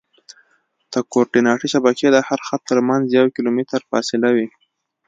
د کورډیناتي شبکې د هر خط ترمنځ یو کیلومتر فاصله وي